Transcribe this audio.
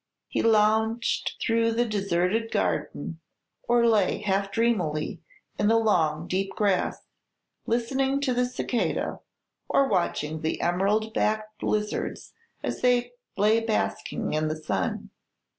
He lounged through the deserted garden, or lay, half dreamily, in the long, deep grass, listening to the cicala, or watching the emerald backed lizards as they lay basking in the sun.